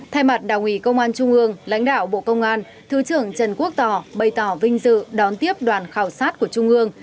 thay mặt đảng ủy công an trung ương lãnh đạo bộ công an thứ trưởng trần quốc tỏ bày tỏ vinh dự đón tiếp đoàn khảo sát của trung ương